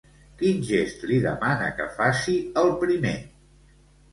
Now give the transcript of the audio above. Quin gest li demana que faci, el primer?